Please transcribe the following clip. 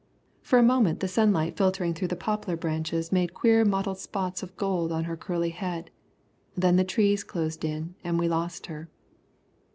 For a moment the sunlight filtering through the poplar branches made queer mottled spots of gold on her curly head, then the trees closed in, and we lost her.